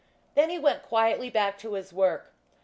Then he went quietly back to his work.